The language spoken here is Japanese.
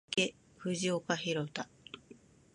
行け藤岡裕大、夢見たその先へ、勝利を呼ぶ一打、今放て